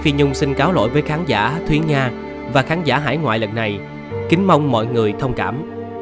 phim nhung xin cáo lỗi với khán giả thúy nga và khán giả hải ngoại lần này kính mong mọi người thông cảm